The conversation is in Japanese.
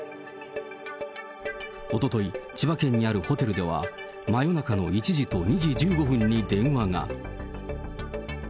おととい、千葉県にあるホテルでは、真夜中の１時と２時１５分に電話が。